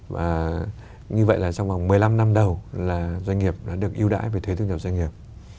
và như vậy là trong vòng một mươi năm năm đầu là doanh nghiệp đã được ưu đãi về thuế thu nhập doanh nghiệp